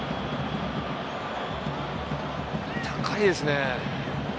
高いですね。